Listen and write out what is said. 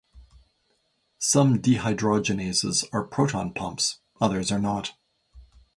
Some dehydrogenases are proton pumps; others are not.